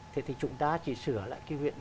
thế thì chúng ta chỉ sửa lại cái nguyện thiết